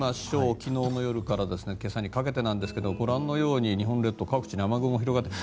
昨日の夜から今朝にかけてですがご覧のよう日本列島各地に雨雲が広がっています。